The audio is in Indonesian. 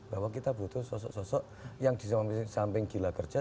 bahwa kita butuh sosok sosok yang di samping gila kerja